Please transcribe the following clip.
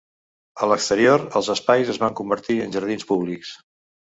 A l'exterior els espais es van convertir en jardins públics.